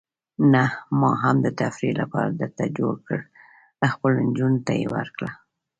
نه، ما هم د تفریح لپاره درته جوړ کړل، خپلو نجونو ته یې ورکړه.